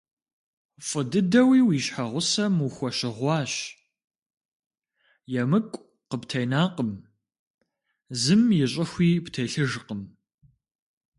ФӀы дыдэуи уи щхьэгъусэм ухуэщыгъуащ, емыкӀу къыптенакъым, зым и щӀыхуи птелъыжкъым.